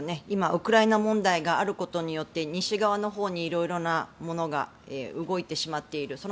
今、ウクライナ問題があることによって西側のほうに色々なものが動いてしまっている。